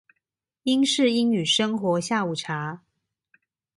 英式英語生活下午茶